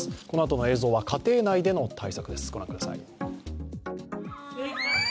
このあとの映像は家庭内での対策です。